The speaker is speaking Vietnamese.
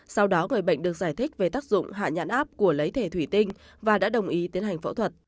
sau đó người bệnh được giải thích về tác dụng hạ nhãn áp của lấy thể thủy tinh và đã đồng ý tiến hành phẫu thuật